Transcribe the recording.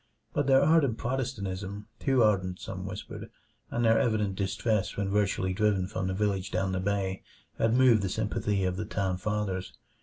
But their ardent Protestantism too ardent, some whispered and their evident distress when virtually driven from the village down the bay, had moved the sympathy of the town fathers.